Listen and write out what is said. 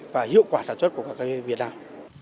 và hiệu quả sản xuất của cà phê việt nam